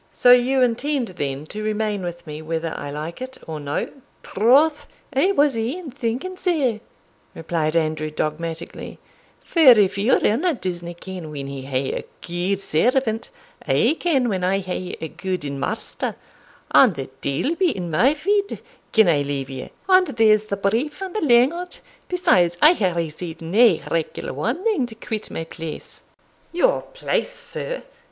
So you intend then to remain with me whether I like it or no?" "Troth, I was e'en thinking sae," replied Andrew, dogmatically; "for if your honour disna ken when ye hae a gude servant, I ken when I hae a gude master, and the deil be in my feet gin I leave ye and there's the brief and the lang o't besides I hae received nae regular warning to quit my place." "Your place, sir!"